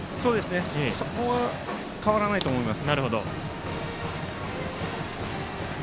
そこは変わらないと思います。